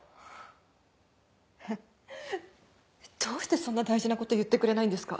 フッどうしてそんな大事なこと言ってくれないんですか？